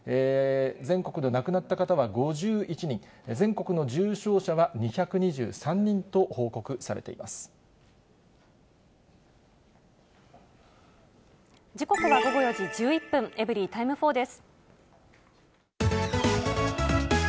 全国で亡くなった方は５１人、全国の重症者は２２３人と報告さ時刻は午後４時１１分、エブリィタイム４です。